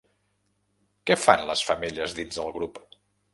Què fan les femelles dins el grup?